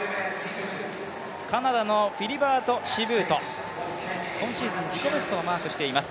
カナダのフィリバートシブート、今シーズン自己ベストをマークしています。